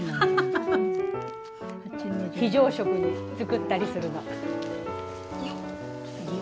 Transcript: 非常食に作ったりするの。